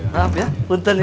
maaf ya punten ya